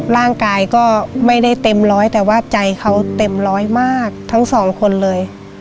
ร่างกายก็ไม่ได้เต็มร้อยแต่ว่าใจเขาเต็มร้อยมากทั้งสองคนเลย